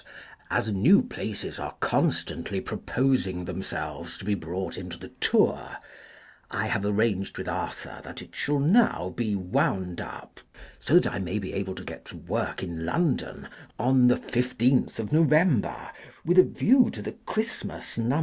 As new places are constantly proposing themselves to be brought into the Tour, I have arranged with Arthur that it shall now be wound up, so that I may be able to get to work in London, on the 15th of November, with a view to the Xmas No.